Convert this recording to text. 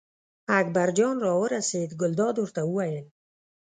اکبرجان راورسېد، ګلداد ورته وویل.